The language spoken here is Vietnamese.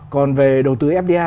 còn về đầu tư fdi